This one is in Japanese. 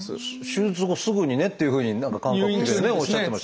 手術後すぐにねっていうふうに何か感覚おっしゃってましたね。